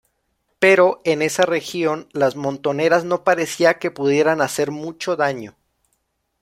Pero en esa región las montoneras no parecía que pudieran hacer mucho daño.